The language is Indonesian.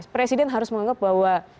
presiden harus menganggap bahwa